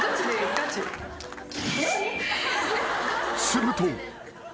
［すると］